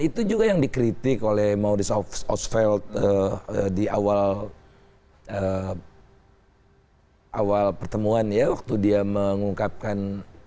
itu juga yang dikritik oleh mauries osfeld di awal awal pertemuan ya waktu dia mengungkapkan